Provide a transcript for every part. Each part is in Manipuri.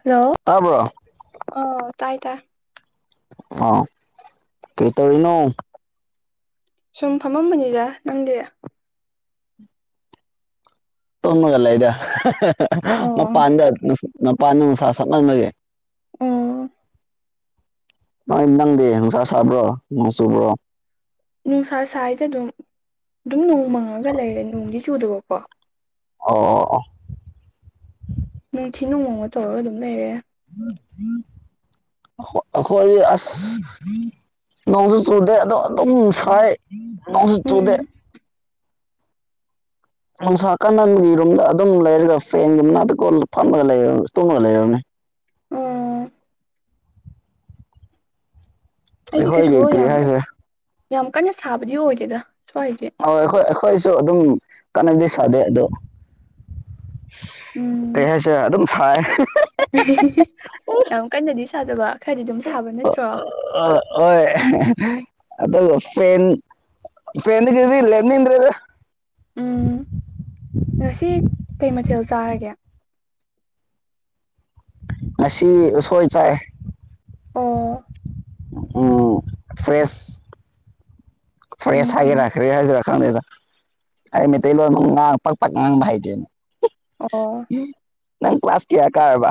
ꯍꯜꯂꯣ ꯇꯥꯕ꯭ꯔꯣ ꯑꯣ ꯇꯥꯏ ꯇꯥꯏ ꯑ ꯀ ꯇꯔꯤꯅꯣ ꯁꯨꯝ ꯐꯝꯃꯝꯕꯅꯤꯖ ꯅꯪꯗꯤ ꯇꯣꯃꯒ ꯂꯩꯗ ꯑꯣ ꯃꯄꯥꯟꯗ ꯃꯄꯥꯟꯗ ꯅꯨꯡꯁꯥ ꯁꯞ ꯃꯟꯕꯁꯦ ꯎꯝ ꯅꯣꯏ ꯅꯪꯗꯤ ꯪꯁꯥ ꯁꯥꯕ꯭ꯔꯣ ꯅꯣꯡ ꯆꯨꯕ꯭ꯔꯣ ꯅꯨꯡꯁꯥ ꯁ꯭ꯋꯥꯗ ꯑꯗꯨꯝ ꯑꯗꯨꯝ ꯅꯣꯡ ꯃꯪꯉꯒ ꯂꯩꯔꯦ ꯅꯣꯡꯗꯤ ꯆꯨꯗꯕꯀꯣ ꯑꯣ ꯅꯨꯡꯊꯤ ꯅꯣꯡꯃꯣꯡꯃ ꯇꯧꯔꯒ ꯑꯗꯨꯝ ꯂꯩꯔꯦ [unintelligible] ꯑꯩꯈꯣꯏ ꯑꯁ ꯅꯣꯡꯁꯨ ꯆꯨꯗꯦ ꯑꯗꯣ ꯑꯗꯨꯝ ꯁꯥꯏ ꯎꯝ ꯆꯗꯦ ꯅꯨꯡꯁꯥ ꯀꯥꯅꯟꯒꯤ ꯔꯨꯝꯗ ꯑꯗꯨꯝ ꯂꯩꯔꯒ ꯐꯦꯟꯒꯤ ꯃꯅꯥꯛꯇꯀꯣ ꯐꯝꯃꯒ ꯂꯩ ꯇꯣꯡꯉꯒ ꯂꯩꯔꯕꯅꯤ ꯎꯝ ꯑꯩꯗꯤ ꯑꯩꯈꯣꯏꯒꯤ ꯀꯩꯁꯨ ꯀꯔꯤ ꯌꯥꯝ ꯍꯥꯏꯁꯤꯔ ꯌꯥꯝ ꯀꯟꯅ ꯁꯥꯕꯗꯤ ꯑꯣꯏꯗꯦꯗ ꯁ꯭ꯋꯥꯏꯗꯤ ꯍꯣꯏ ꯑꯩꯈꯣꯏ ꯑꯩꯈꯣꯏꯁꯨ ꯑꯗꯨꯝ ꯀꯥꯟꯅꯗꯤ ꯁꯥꯗꯦ ꯑꯗꯣ ꯀ ꯎꯝ ꯍꯥꯏꯁꯦ ꯑꯗꯨꯝ ꯁꯥꯏ ꯌꯥꯝ ꯀꯟꯅꯗꯤ ꯁꯥꯗꯕ ꯈꯔꯗꯤ ꯑꯗꯨꯝ ꯁꯥꯕ ꯅꯠꯇ꯭ꯔꯣ ꯑ ꯍꯣꯏ ꯑ ꯄꯦꯟ ꯏ ꯑꯦꯟ ꯀꯗꯤ ꯂꯅꯤ ꯏꯗ꯭ꯔꯦ ꯎꯝ ꯁꯤ ꯀꯩ ꯃꯊꯦꯜ ꯆꯥꯔꯒꯦ ꯉꯁꯤ ꯎꯁꯣꯏ ꯆꯥꯏ ꯑꯥ [unintelligible] [inaudible] ꯎꯝ ꯐ꯭ꯔꯦꯁ ꯐ꯭ꯔꯦꯁ ꯍꯥꯏꯒꯦꯔ ꯎꯝ ꯈ꯭ꯔꯦ ꯍꯖꯤꯔꯥ ꯈꯪꯉꯦꯗ ꯑꯩ ꯃꯩꯇꯩꯂꯣꯟꯣꯟ ꯑꯃꯨꯥꯡ ꯄꯛ ꯄꯛ ꯉꯥꯡꯕ ꯍꯩꯗꯦꯅ ꯑꯣ ꯅꯪ ꯀ꯭ꯂꯥꯁ ꯀꯤꯌꯥ ꯀꯔꯕ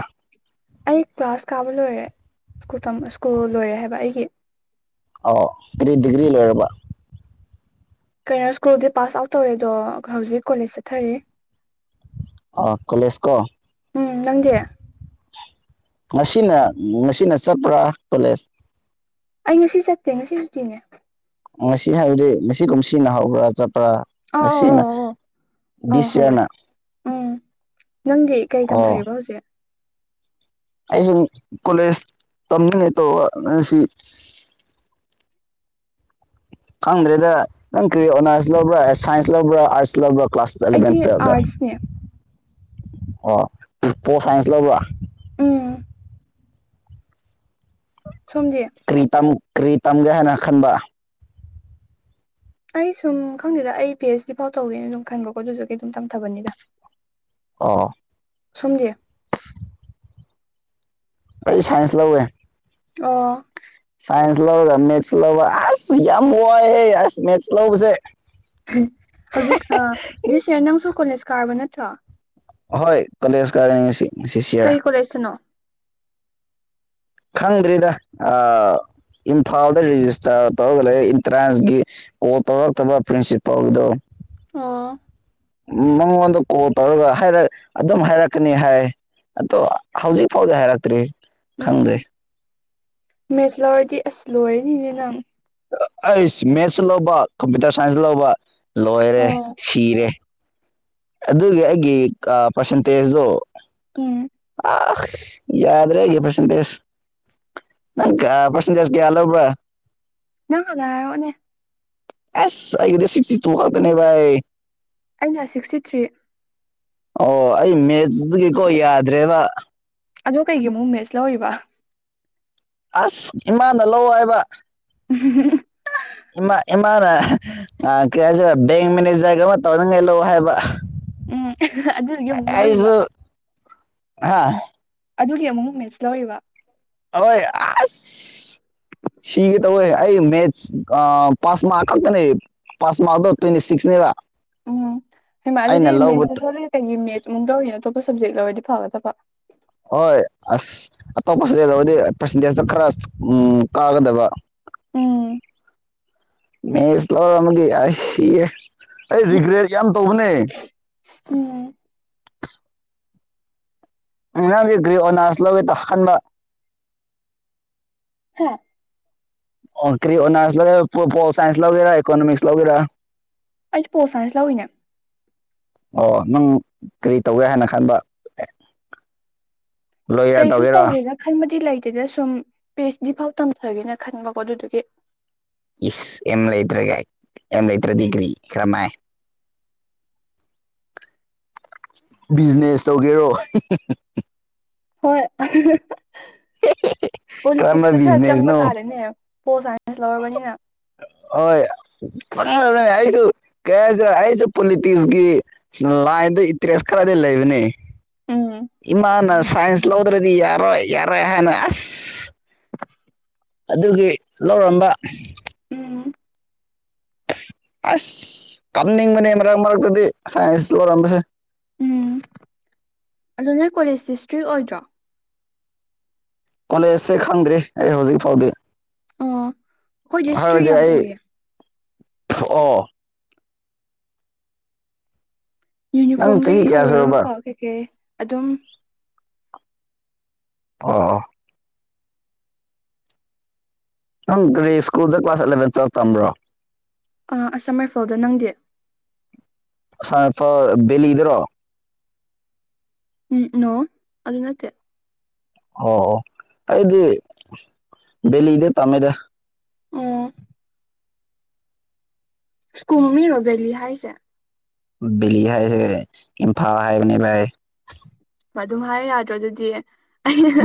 ꯑꯩ ꯀ꯭ꯂꯥꯁ ꯀꯥꯕ ꯂꯣꯏꯔꯦ ꯁ꯭ꯀꯨꯜ ꯂꯣꯏꯔꯦ ꯍꯥꯏꯕ ꯑꯩꯒꯤ ꯑ ꯀꯔꯤ ꯗꯤꯒ꯭ꯔꯤ ꯂꯣꯏꯔꯕ ꯀꯩꯅꯣ ꯁ꯭ꯀꯨꯜꯗꯤ ꯄꯥꯁ ꯑꯥꯎꯠ ꯇꯧꯔꯦꯗꯣ ꯍꯧꯖꯤꯛ ꯀꯣꯂꯦꯖ ꯆꯠꯊꯔꯤ ꯑꯣ ꯀꯣꯂꯦꯖ ꯀꯣ ꯎꯝ ꯅꯪꯗꯤ ꯉꯁꯤꯅ ꯉꯁꯤꯅ ꯆꯠꯄ꯭ꯔꯥ ꯀꯣꯂꯦꯖ ꯑꯩ ꯉꯁꯤ ꯆꯠꯇꯦ ꯉꯁꯤ ꯆꯠꯇꯤꯅꯦ ꯉꯁꯤ ꯍꯥꯏꯕꯗꯤ ꯉꯒꯨꯝ ꯁꯤꯅꯍꯧꯕ꯭ꯔꯥ ꯆꯠꯄ ꯥ ꯑꯧ ꯑꯧ ꯉꯁꯤꯅ ꯑꯧ ꯑꯧ ꯑꯧ ꯗꯤꯁ ꯍꯧꯋꯦ ꯏꯔꯅ ꯎꯝ ꯅꯪꯗꯤ ꯀꯩ ꯇꯝꯊꯔꯤꯕ ꯍꯧꯖꯤꯛ ꯑꯩꯁꯨ ꯀꯣꯂꯦꯖ ꯇꯝꯃꯤꯅꯦꯠꯇꯣꯁꯤ ꯈꯪꯗ꯭ꯔꯦꯗ ꯅꯪ ꯀꯔꯤ ꯑꯣꯅꯔꯁ ꯂꯧꯕ꯭ꯔꯥ ꯁꯥꯏꯟꯁ ꯂꯧꯕ꯭ꯔꯥ ꯑꯔꯠꯁ ꯂꯧꯕ꯭ꯔꯥ ꯀ꯭ꯂꯥꯁ ꯑꯩꯗꯤ ꯑꯦꯂꯚꯦꯟ ꯇꯨꯋꯦꯜꯗ ꯑꯥꯔꯠꯁꯅꯦ ꯑꯣ ꯄꯣ ꯁꯥꯏꯟꯁ ꯂꯧꯕ꯭ꯔꯥ ꯎꯝ ꯁꯣꯝꯗꯤ ꯀ꯭ꯔꯤ ꯀ꯭ꯔꯤꯇꯝꯒ ꯍꯥꯏꯅ ꯈꯟꯕ ꯑꯩ ꯁꯨꯝ ꯈꯪꯗꯦꯗ ꯑꯩ ꯄꯤ ꯑꯩꯆ ꯗꯤ ꯐꯥꯎ ꯇꯧꯒꯦꯅ ꯑꯗꯨꯝ ꯈꯟꯕꯀꯣ ꯑꯗꯨꯁꯨ ꯀ ꯑꯗꯨꯝ ꯇꯝꯊꯕꯅꯤꯗ ꯑ [unintelligible] [inaudible] ꯁꯣꯝꯖꯦ ꯑꯩ ꯁꯥꯏꯟꯁ ꯂꯧꯕꯋꯦ ꯑ [unintelligible] [inaudible] ꯁꯥꯏꯟꯁ ꯂꯧꯧꯕꯒ ꯃꯦꯠꯁ ꯂꯧꯧꯕ ꯑꯠ ꯌꯥꯝ ꯋꯥꯏ ꯃꯦꯠꯁ ꯂꯧꯕꯁꯦ ꯀꯣꯂꯁ ꯀꯥꯔꯕ ꯅꯠꯇ꯭ꯔꯣ ꯍꯣꯏ ꯀꯂꯦꯖ ꯀꯅꯤꯁꯤ ꯀꯔꯤ ꯀꯣ ꯂꯩꯁꯅꯣ ꯈꯪꯗ꯭ꯔꯔꯤꯗ ꯑ ꯏꯝꯐꯥꯜꯗ ꯔꯦꯖꯤꯁꯇꯥꯔ ꯇꯧꯔꯒ ꯂꯩ ꯑꯦꯟꯇ꯭ꯔꯥꯟꯁꯀꯤ ꯀꯣ ꯇꯧꯔꯛꯇꯕ ꯄ꯭ꯔꯤꯟꯁꯤꯄꯥꯜꯗꯣ ꯑꯣ [unintelligible] [inaudible] ꯃꯉꯣꯟꯗ ꯀꯣꯜ ꯇꯧꯔꯒ ꯍꯥꯏꯔ ꯑꯗꯨꯝ ꯍꯥꯏꯔꯛꯀꯅꯤ ꯍꯥꯏ ꯑꯗꯣ ꯍꯧꯖꯤꯛ ꯐꯥꯎꯗ ꯍꯥꯏꯔꯛꯇ꯭ꯔꯤ ꯎꯝ ꯈꯪꯗ꯭ꯔꯦ ꯃꯦꯁꯂꯥ ꯑꯣꯏꯗꯤ ꯑꯁ ꯂꯣꯏꯔꯦꯅꯤꯅꯦ ꯅꯪ ꯑꯩ ꯃꯦꯠꯁ ꯂꯧꯕ ꯀꯝꯄ꯭ꯌꯨꯇꯔ ꯁꯥꯏꯟꯁꯇ ꯂꯧꯕ ꯂꯣꯏꯔꯦ ꯑꯣ ꯁꯤꯔꯦ ꯑꯗꯨꯒꯤ ꯑꯩꯒꯤ ꯄꯔꯁꯟꯇꯦꯖꯨ ꯏ [unintelligible] [inaudible] ꯑ ꯌꯥꯗ꯭ꯔꯦꯒꯤꯦ ꯄ꯭ꯔꯁꯇꯦꯁ ꯄꯁꯟꯗꯦꯖ ꯀꯦꯌꯥꯂꯣꯕ ꯅ ꯍꯂ ꯑꯣꯅꯦ ꯑꯦꯁ ꯑꯩꯕꯨꯗꯤꯁꯤ ꯀꯗꯅꯦꯚꯥꯏ ꯑꯩꯅ ꯁꯤꯛꯁꯇꯤ ꯊ꯭ꯔꯤ ꯑꯣ ꯑꯩ ꯃꯦꯠꯁꯇꯒꯤꯀꯣ ꯌꯥꯗ꯭ꯔꯦꯗ ꯑꯗꯣ ꯀꯩꯒꯤ ꯑꯃꯣꯛ ꯃꯦꯁ ꯂꯧꯔꯤꯕ ꯏꯃꯥꯗ ꯂꯧ ꯍꯥꯏꯕ ꯎ ꯏꯃꯥ ꯏꯃꯥꯅ ꯀꯩ ꯍꯥꯏꯁꯦ ꯕꯦꯡ ꯃꯦꯅꯦꯖꯔꯒ ꯑꯃ ꯇꯧꯅꯤꯡꯉꯥꯏ ꯂ ꯍꯥꯏꯕ ꯎꯝ ꯑꯗꯨꯗꯤ ꯑꯃꯨꯛ ꯂꯧꯔꯤꯕ ꯍꯥꯥ ꯑꯗꯨꯒꯤ ꯑꯃꯨꯛ ꯃꯦꯠꯁ ꯂꯧꯔꯤꯕ ꯍꯣꯏ ꯑ ꯁꯤꯒ ꯇꯧꯋꯦ ꯑꯩ ꯃꯦꯠ ꯄꯥꯁ ꯃꯥꯉ ꯈꯛꯇꯅꯦ ꯄꯥꯁ ꯃꯥꯗꯣ ꯇ꯭ꯋꯦꯟꯇꯤ ꯁꯤꯛꯁꯅꯤꯕ ꯎꯝ ꯍꯩ ꯃꯥ ꯑꯗꯨꯗꯤ ꯃꯦꯠꯁ ꯁꯣꯖꯤꯛ ꯀꯩꯒꯤ ꯃꯦꯠꯁꯃꯨꯛ ꯇꯧꯔꯤꯅꯣ ꯑꯇꯣꯞꯄ ꯁꯞꯖꯦꯛ ꯂꯗꯤ ꯐꯥꯕꯗ ꯐ ꯍꯣꯏ ꯑꯁ ꯑꯇꯣꯞꯄꯇ ꯂꯧꯔꯗꯤ ꯄꯥꯔꯁꯦꯟꯇꯦꯖꯇꯣ ꯈꯔ ꯎ ꯀꯥꯒꯗꯕ ꯎꯝ ꯃꯤꯦꯂꯒꯤ ꯌꯥꯁꯤ ꯑꯩ ꯔꯤꯒ꯭ꯔꯦꯠ ꯌꯥꯝ ꯇꯧꯕꯅꯦ ꯎꯝ ꯏꯅꯥꯗꯤ ꯭ꯍꯅꯥꯁꯂ ꯇ ꯍꯟꯕꯥ ꯍꯥꯝ ꯑꯣꯔꯤꯣ ꯁꯥꯏꯟꯁ ꯂꯧꯒꯦꯔ ꯏꯀꯣꯅꯣꯃꯤꯁ ꯂ ꯂꯧꯒꯦꯔꯥ ꯑꯩꯁꯨ ꯄꯣꯁꯅꯦꯁꯤ ꯂꯑꯣꯅ ꯑꯣ ꯅꯪ ꯀꯔꯤ ꯇꯧꯒꯦ ꯍꯥꯏꯅ ꯈꯟꯕ ꯂꯣꯌꯔ ꯀꯩꯁꯨ ꯇꯧꯒꯦꯔꯣ ꯇꯧꯒꯦꯅ ꯈꯟꯕꯗꯤ ꯂꯩꯇ ꯑꯗꯨꯗ ꯁꯨꯝ ꯄꯤ ꯑꯩꯆ ꯗꯤ ꯐꯥꯎ ꯇꯝꯊꯒꯦꯅ ꯈꯟꯕꯀꯣ ꯑꯗꯨꯗꯨꯒꯤ ꯏ ꯌꯦꯝ ꯂꯇ꯭ꯔꯒ ꯌꯦꯝ ꯂ ꯂꯩꯇ꯭ꯔ ꯗꯗꯤꯒ꯭ꯔꯤ ꯀ꯭ꯔꯃ [unintelligible] ꯕꯤꯖꯤꯅꯦꯁ ꯇꯧꯒꯦꯔꯣ ꯍꯣꯏ ꯀꯔꯝꯕ ꯄꯣꯂꯤꯇꯤꯛꯁꯁꯨ ꯈꯔ ꯆꯪꯕ ꯕꯤꯖꯤꯅꯦꯁꯅꯣ ꯇꯥꯔꯦꯅꯦ ꯄꯣꯜ ꯁꯥꯏꯟꯁ ꯂꯧꯔꯕꯅꯤꯅ ꯍꯣꯏ ꯐ ꯑꯩꯁꯨ ꯀ ꯍꯥꯏ ꯑꯩꯁꯨ ꯄꯣꯂꯤꯇꯤꯛꯁꯀꯤ ꯂꯥꯏꯟꯗ ꯏꯟꯇꯔꯦꯁ ꯈꯔꯗꯤ ꯂꯩꯕꯅꯦ ꯎꯝ ꯏꯅ ꯁꯥꯏꯟꯁ ꯂꯧꯎꯗ꯭ꯔꯦꯗꯤ ꯌꯥꯔꯣꯏ ꯌꯥꯔꯣꯏ ꯍꯥꯏꯦꯅꯁ [unintelligible] ꯑꯗꯨꯒꯤ ꯂꯧꯔꯝꯕ ꯎꯝ ꯑꯁ ꯇꯝꯅꯤꯡꯕꯅꯤ ꯃꯔꯛ ꯃꯔꯛꯇꯗꯤ ꯁꯥꯏꯟꯁ ꯂꯣꯏꯔꯝꯕꯁꯦ ꯎꯝ ꯑꯣ ꯅꯣꯏ ꯀꯣꯂꯦꯖꯁ ꯏꯁꯇ꯭ꯔꯤꯛ ꯑꯣꯏꯗ꯭ꯔꯣ ꯀꯣꯂꯖꯁꯦ ꯈꯪꯗ꯭ꯔꯤ ꯑꯩ ꯍꯧꯖꯤꯛ ꯐꯥꯎꯗꯤ ꯑꯣ ꯑꯩꯈꯣꯏ ꯍꯤꯁꯇ꯭ꯔꯤ ꯍꯥꯏꯔꯗꯤ ꯌꯥꯝ ꯑꯩ ꯎꯌꯦ ꯑꯣ ꯅꯪ ꯆꯍꯤ ꯌꯨꯅꯤꯐꯣꯔꯝꯗꯒꯤ ꯀꯌꯥ ꯁꯨꯔꯕ ꯍꯧꯔꯒꯀꯣ ꯀꯩꯀꯩ ꯑꯗꯨꯝ ꯑꯥ ꯅꯪ ꯀꯔꯤ ꯁ꯭ꯀꯨꯜꯗ ꯀ꯭ꯂꯥꯁ ꯑꯦꯂꯚꯦꯟ ꯆ ꯇꯝꯕ꯭ꯔꯣ ꯑꯁꯝ ꯔꯔꯤꯐꯣꯜꯗꯣ ꯅꯪꯗꯤꯦ ꯁꯄ ꯂꯤꯗ꯭ꯔꯣ ꯎꯝ ꯅꯣ ꯑꯗꯨꯅꯠꯇ ꯑꯣ ꯑꯣ ꯑꯩꯗꯤ ꯕꯦꯂꯤꯗ ꯇꯝꯃꯦꯗꯦ ꯎꯝ ꯁ꯭ꯀꯨꯝ ꯃꯤꯔꯣ ꯕꯚꯦꯂꯤ ꯍꯥꯏꯁꯦ ꯕꯤꯂꯤ ꯍꯥꯏꯁ ꯏꯝꯐꯥꯜ ꯍꯥꯏꯕꯅꯦꯚꯥꯏ ꯑꯗꯨꯝ ꯍꯥꯏ ꯌꯥꯗ꯭ꯔꯣ ꯑꯗꯨꯗꯤ ꯑꯩꯅ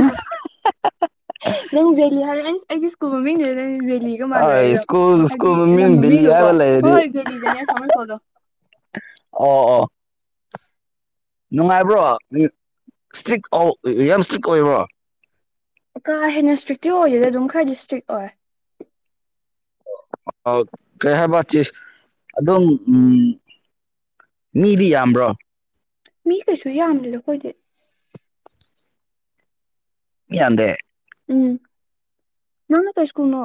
ꯅꯪ ꯔꯦꯂꯤ ꯍꯥꯏꯔ ꯑꯩ ꯑꯩꯒꯤ ꯁ꯭ꯀꯨꯜ ꯃꯃꯤꯡꯗꯨꯗ ꯅꯦ ꯕꯦꯂꯤꯒ ꯃꯥꯜꯂꯨꯔꯦ ꯍꯣꯏ ꯑꯗꯨꯝ ꯁ꯭ꯀꯨꯜ ꯁ꯭ꯀꯨꯜ ꯍꯥꯏꯕꯗꯤ ꯂꯝ ꯃꯃꯤꯡ ꯕꯦꯂꯤ ꯃꯃꯤꯡꯒꯀꯣ ꯍꯥꯏꯕ ꯍꯣꯏ ꯂꯩꯔꯗꯤ ꯍꯣꯏ ꯚꯦꯂꯤꯗꯅꯦ ꯑꯁꯥꯃꯔꯈꯣꯗꯣ ꯑꯣ ꯑꯣ ꯅꯨꯡꯉꯥꯏꯕ꯭ꯔꯣ ꯏꯁꯇ꯭ꯔꯤꯛ ꯌꯥꯝ ꯏꯁꯇ꯭ꯔꯤꯛ ꯑꯣꯏꯕ꯭ꯔꯣ ꯀꯥ ꯍꯦꯟꯅ ꯏꯁꯇ꯭ꯔꯤꯛꯇꯤ ꯑꯣꯏꯗꯦꯗꯤ ꯑꯗꯨꯝ ꯈꯔꯗꯤ ꯏꯁꯇ꯭ꯔꯤꯛ ꯑꯣꯏ ꯀꯩ ꯍꯥꯏꯕ ꯆ ꯑꯗꯨꯝ ꯎꯝ ꯃꯤꯗꯤ ꯌꯥꯝꯕ꯭ꯔꯣ ꯃꯤ ꯀꯩꯁꯨ ꯌꯥꯝꯗꯈꯣꯏꯗꯦ ꯌꯥꯗꯦ ꯎꯝ ꯅꯅ ꯀꯁꯀꯨꯜꯅꯣ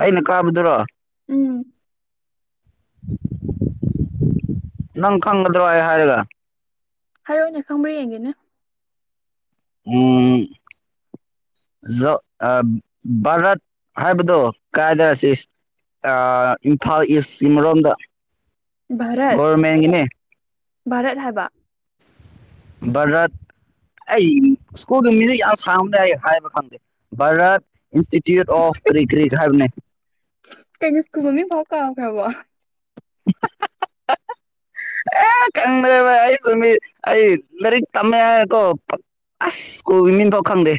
ꯑꯩꯅ ꯀꯥꯕꯗꯨꯔꯣ ꯎꯝ ꯅꯪ ꯈꯪꯒꯗꯔꯋꯥ ꯍꯥꯏꯔꯒ ꯍꯥꯏꯔꯑꯣꯅꯦ ꯈꯪꯕ꯭ꯔꯥ ꯌꯦꯡꯒꯦꯅꯦ ꯎꯝ ꯚꯔꯠ ꯍꯥꯏꯕꯗꯨ ꯀꯥꯏꯗꯁꯤ ꯏꯝꯐꯥꯜ ꯏꯁꯀꯤ ꯑꯃꯔꯣꯝꯗ ꯚꯥꯔꯠ ꯒꯣꯔꯃꯦꯟꯒꯤꯅꯤ ꯚꯥꯔꯠ ꯍꯥꯏꯕ ꯚꯔꯠ ꯑꯩ ꯁ꯭ꯀꯨꯜꯒꯤ ꯃꯤꯖꯤ ꯌꯥꯝ ꯁꯥꯡꯗꯦ ꯑꯩ ꯍꯥꯏꯕ ꯈꯪꯗꯦ ꯚꯥꯔꯠ ꯏꯟꯁꯇꯤꯇ꯭ꯌꯨꯠ ꯑꯣꯐ ꯀ꯭ꯔꯤ ꯀ꯭ꯔꯤꯛ ꯍꯥꯏꯕꯅꯦ ꯀꯩꯅ ꯁꯀꯨꯕꯝ ꯐꯥꯎ ꯀ ꯈꯕꯣ ꯑꯦ ꯀ꯭ꯔ ꯃꯤ ꯑꯩ ꯃꯔꯤ ꯇꯃꯦꯀꯣ ꯑꯁ ꯀꯣꯃꯤ ꯇ ꯈꯗꯦ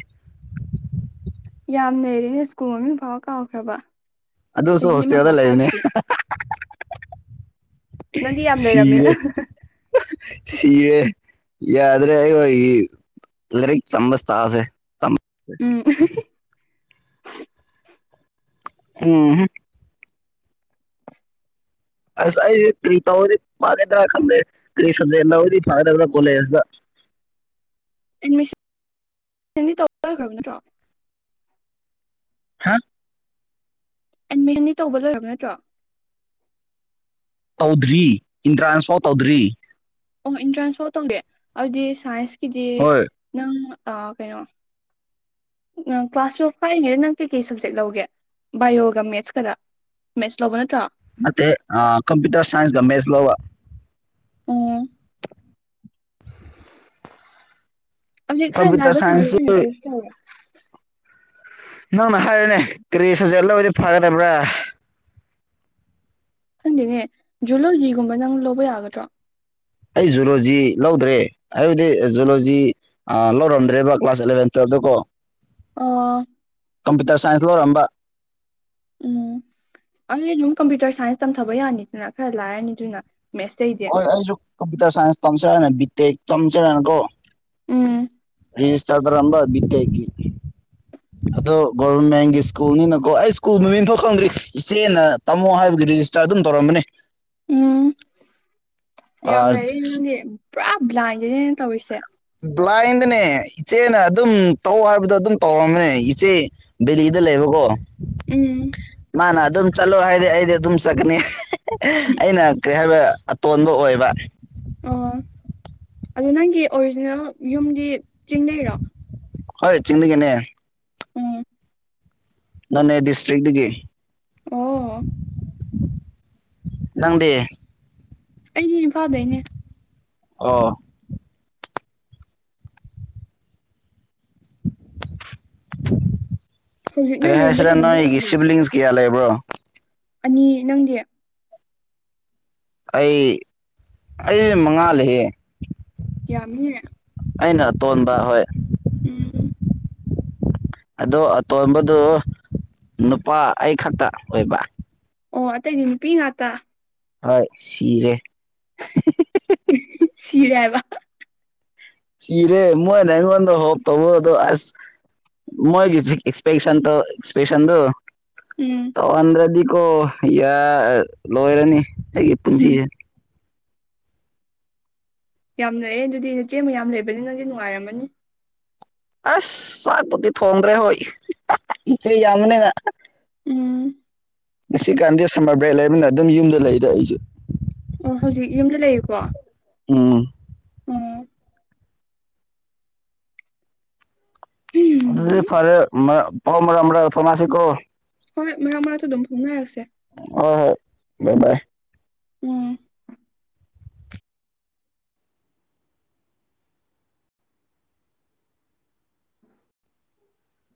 ꯌꯥꯝ ꯂꯩꯔꯦꯅꯦ ꯁ꯭ꯀꯨꯜ ꯃꯃꯤꯡ ꯐꯥꯎ ꯀꯥꯎꯈ꯭ꯔꯕ ꯑꯗꯨꯁꯨ ꯆꯍꯤ ꯑꯃ ꯍꯣꯁꯇꯦꯜꯗ ꯐꯥꯎ ꯂꯩꯕꯅꯦ ꯐꯗ꯭ꯔꯤ ꯅꯪꯗꯤ ꯌꯥꯝ ꯁꯤꯔꯦ ꯂꯩꯔꯝꯃꯤꯅ ꯁꯤꯔꯦ ꯌꯥꯗ꯭ꯔꯦ ꯑꯩ ꯂꯥꯏꯔꯤꯛ ꯆꯃꯁ ꯇꯥꯁꯦ ꯎꯝ ꯎꯝ ꯑꯁ ꯑꯩꯗꯤ ꯀꯔꯤꯄ ꯐ ꯏꯗꯔ ꯈꯪꯗ ꯀꯔꯤꯟꯗꯤ ꯐꯥꯗ ꯀꯣꯂ ꯑꯦꯃꯤꯁꯟ ꯈ꯭ꯔꯕ ꯅꯠꯇ꯭ꯔꯣ ꯍꯥ ꯑꯦꯠꯃꯤꯁꯟꯗꯤ ꯇꯧꯕ ꯂꯣꯏꯔꯕ ꯅꯠꯇ꯭ꯔꯣ ꯇꯧꯗ꯭ꯔꯤ ꯏꯟꯇ꯭ꯔꯥꯟꯁ ꯐꯥꯎ ꯇꯧꯗ꯭ꯔꯤ ꯑꯣ ꯏꯟꯇ꯭ꯔꯥꯟꯁ ꯐꯥꯎ ꯇꯧꯒꯦ ꯑꯗꯨꯗꯤ ꯁꯥꯏꯟꯁꯀꯤꯗꯤ ꯍꯣꯏ ꯅꯪ ꯑ ꯀꯩꯅꯣ ꯀ꯭ꯂꯥꯁ ꯇꯨꯋꯜꯞ ꯐꯥꯏꯔꯤꯉꯩꯗ ꯅꯪ ꯀꯩꯀꯩ ꯁꯕꯖꯦꯛ ꯂꯧꯒꯦ ꯕꯥꯏꯑꯣꯒ ꯃꯦꯠꯁꯀꯗ ꯃꯦꯁ ꯂꯕ ꯅ ꯇꯣ ꯃ ꯑ ꯀꯝꯄ꯭ꯌꯨꯇꯔ ꯁꯥꯏꯟꯁꯒ ꯃꯦꯁ ꯂꯧꯕ ꯎꯝ ꯍꯧꯖꯤꯛ ꯈꯔ ꯀꯝꯄ꯭ꯌꯨꯇꯔ ꯅꯥꯥꯏꯕ ꯁꯕꯖꯦꯛ ꯁꯥꯏꯟꯁꯁꯨ ꯑꯣꯏꯅ ꯆꯨꯁ ꯇꯧꯔꯦ ꯅꯪꯅ ꯍꯥꯏꯔꯅꯦ ꯀꯔꯤ ꯁꯁꯦ ꯂꯣꯏꯕꯗꯤ ꯐꯒꯗꯕ꯭ꯔꯥ ꯈꯪꯗꯦꯅꯦ ꯖꯨꯂꯣꯖꯤꯒꯨꯝꯕ ꯅꯪ ꯂꯧꯕ ꯌꯥꯒꯗ꯭ꯔꯣ ꯑꯩ ꯖꯨꯂꯣꯖꯤ ꯂꯧꯗ꯭ꯔꯦ ꯍꯥꯏꯕꯗꯤ ꯖꯨꯂꯣꯖꯤ ꯑ ꯂꯧꯔꯝꯗ꯭ꯔꯦꯕ ꯀ꯭ꯂꯥꯁ ꯑꯦꯂꯕꯦꯟꯇ ꯑꯗꯨ ꯀꯣ ꯑꯣ ꯆꯥꯏꯟꯁꯂꯔꯝꯕ ꯎꯝ ꯑꯩ ꯑꯗꯨꯝ ꯀꯝꯄ꯭ꯌꯨꯇꯔ ꯁꯥꯏꯟꯁ ꯇꯝꯊꯕ ꯌꯥꯅꯤꯗꯅ ꯈꯔ ꯂꯥꯏꯔꯅꯤ ꯑꯗꯨꯅ ꯃꯦꯁꯩꯗꯤ ꯀꯝꯄꯨꯇꯔ ꯁꯥꯏꯟꯁ ꯇꯝꯁꯔꯅ ꯕꯤꯦ ꯆꯝꯁꯦꯔꯅ ꯀꯣ ꯎꯝ ꯔꯤꯖꯁꯔꯗ꯭ꯔꯝꯕ ꯠꯇꯦꯑꯒꯤ ꯑꯗꯣ ꯒꯣꯚꯔꯃꯦꯟꯒꯤ ꯁ꯭ꯀꯨꯜꯅꯤꯅꯀꯣ ꯑꯩ ꯁ꯭ꯀꯨꯜ ꯃꯃꯤꯡꯐꯝ ꯈꯪꯗ꯭ꯔꯤ ꯏꯆꯦꯅ ꯇꯝꯃꯣ ꯍꯥꯏꯕꯒꯤ ꯔꯦꯖꯤꯁꯇꯥꯔ ꯑꯗꯨꯝ ꯇꯧꯔꯝꯕꯅꯤ ꯎꯝ ꯌꯥꯝ ꯂꯩꯔꯦꯅꯦ ꯅꯪꯗꯤ ꯄꯨꯔꯥ ꯕ꯭ꯂꯥꯏꯟꯒꯤꯅꯦꯅ ꯇꯧꯔꯤꯁꯦ ꯕ꯭ꯂꯥꯏꯟꯗꯅꯦ ꯏꯆꯦꯅ ꯑꯗꯨꯝ ꯇꯧ ꯍꯥꯏꯕꯗꯣ ꯑꯗꯨꯝ ꯇꯧꯔꯝꯕꯅꯦ ꯏꯆꯦ ꯕꯦꯂꯤꯗ ꯂꯩꯕꯀꯣ ꯎꯝ ꯃꯥꯅ ꯑꯗꯨꯝ ꯆꯠꯂꯣ ꯍꯥꯏꯗꯤ ꯑꯩꯗꯤ ꯑꯗꯨꯝ ꯆꯠꯀꯅꯤ ꯑꯩꯅ ꯀꯔꯤ ꯍꯥꯏꯕ ꯑꯇꯣꯟꯕ ꯑꯣꯏꯕ ꯑꯗ ꯅꯪꯒꯤ ꯑꯣꯔꯤꯖꯤꯅꯦꯜ ꯌꯨꯝꯗꯤ ꯆꯤꯡꯅꯩꯔꯣ ꯍꯣꯏ ꯆꯤꯡꯒꯅꯦ ꯎꯝ ꯅꯅꯦ ꯗꯤꯁꯇ꯭ꯔꯤꯛꯒꯤ ꯑꯣꯝ ꯂꯪꯗꯤ ꯑꯩꯗꯤ ꯏꯝꯐꯥꯗꯩꯅꯦ ꯑꯣ ꯄꯦ ꯍꯧꯖꯤꯛꯅ ꯔꯦꯟꯗ ꯍꯥꯏꯁꯔꯦ ꯂꯩꯕ ꯅꯠꯇ꯭ꯔꯣ ꯅꯣꯏꯒꯤ ꯁꯤꯗ ꯁꯤꯚꯂꯤꯡꯁ ꯀꯌꯥ ꯂꯩꯕ꯭ꯔꯣ ꯑꯅꯤ ꯅꯪꯗꯤ ꯑꯩ ꯑꯩ ꯃꯉꯥꯂꯦ ꯌꯥꯝꯃꯤꯅꯦ ꯑꯩꯅ ꯑꯇꯣꯟꯕ ꯍꯣꯏ ꯎꯝ ꯑꯗꯣ ꯑꯇꯣꯟꯝꯕꯗꯨ ꯅꯨꯄꯥ ꯑꯩ ꯈꯛꯇ ꯑꯣꯏꯕ ꯑꯣ ꯑꯇꯩ ꯅꯤ ꯄꯤ ꯉꯇ ꯍꯣꯏ ꯁꯤꯤꯔꯦ ꯁꯤꯔꯕ ꯁꯤꯤꯔꯦ ꯃ ꯅꯪꯒꯗ ꯍ ꯇꯕꯣ ꯑꯗꯨꯣ ꯑꯁ ꯃꯁꯤ ꯑꯦꯛꯁꯄꯦꯛꯁꯟ ꯇꯣ ꯑꯦꯛꯁꯄꯦꯁꯟꯗꯨ ꯎꯝ ꯇ ꯑꯟꯗ꯭ꯔꯗꯤꯀꯣ ꯌꯥ ꯂꯣꯏꯔꯅꯤ ꯑꯩꯒꯤ ꯎꯝ ꯄꯨꯟꯖꯤꯁꯦ ꯌꯥꯝꯅꯑꯦ ꯑꯗꯨꯗꯤ ꯅꯆꯦꯃ ꯌꯥꯝ ꯂꯩꯕꯅꯤ ꯅꯪꯗꯤ ꯅꯨꯡꯉꯥꯏꯔꯝꯃꯅꯤ ꯑꯁ ꯁ꯭ꯋꯥꯠꯄꯨꯗꯤ ꯊꯣꯡꯗ꯭ꯔꯦ ꯍꯣꯏ ꯏꯆꯦ ꯌꯥꯝꯕꯅꯤꯅ ꯎꯝ ꯉꯁꯤ ꯒꯥꯟꯙꯦ ꯁꯃ ꯔꯕ꯭ꯔꯦꯜ ꯂꯩꯕꯅ ꯑꯗꯨꯝ ꯌꯨꯝꯗ ꯂꯩꯗ ꯑꯩꯁꯦ ꯑꯣ ꯍꯧꯖꯤꯛ ꯌꯨꯝꯗ ꯂꯩꯔꯤꯕꯣ ꯎꯝ ꯎꯝ ꯑꯗꯨꯗꯤ ꯐꯔꯦ ꯐꯃꯁꯤꯀꯣ ꯍꯣꯏ ꯃꯔꯛ ꯃꯔꯛ ꯇꯥ ꯑꯗꯨꯨꯝ ꯐꯣꯎꯅꯔꯁꯦ ꯍ ꯍꯣꯏ ꯏ ꯕꯌ꯭ꯦ ꯕꯌꯦ ꯎꯝ